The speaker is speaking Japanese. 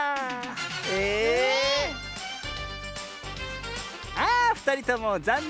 ええっ⁉あふたりともざんねん。